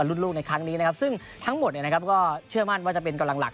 รุ่นลูกในครั้งนี้ซึ่งทั้งหมดนะครับก็เชื่อมั่นที่จะเป็นกำลังหลัก